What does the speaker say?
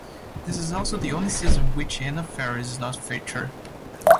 This is also the only season in which Anna Faris is not featured.